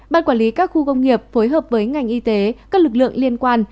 ban quản lý các khu công nghiệp phối hợp với ngành y tế các lực lượng liên quan